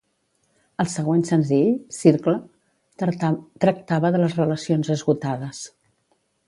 El següent senzill, "Circle," tractava de les relacions esgotades.